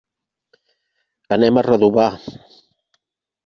Anem a Redovà.